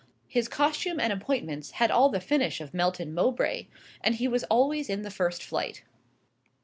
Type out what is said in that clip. His costume and appointments had all the finish of Melton Mowbray, and he was always in the first flight.